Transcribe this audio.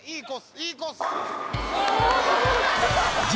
いいコース！